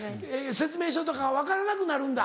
説明書とかが分からなくなるんだ。